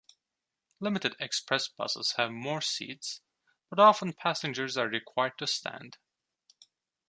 Limited express buses have more seats, but often passengers are required to stand.